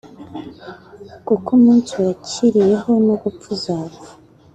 kuko umunsi wakiriyeho no gupfa uzapfa